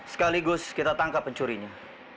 sekaligus kita tangkap pencurinya